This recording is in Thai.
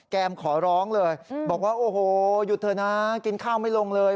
มขอร้องเลยบอกว่าโอ้โหหยุดเถอะนะกินข้าวไม่ลงเลย